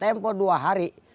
tempo dua hari